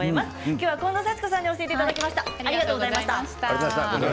今日は近藤幸子さんに教えていただきました。